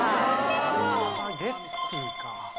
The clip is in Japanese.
スパゲッティか。